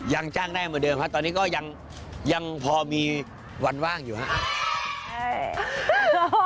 ยังจ้างได้เหมือนเดิมครับตอนนี้ก็ยังพอมีวันว่างอยู่ครับ